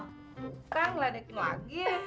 kan ladek lagi